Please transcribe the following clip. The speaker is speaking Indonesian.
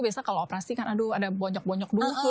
biasanya kalau operasi kan aduh ada bonyok bonyok dulu